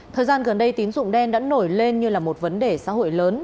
thời gian gần đây tín dụng đen đã nổi lên như là một vấn đề xã hội lớn